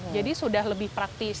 jadi sudah lebih praktis